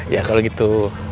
ya kalau gitu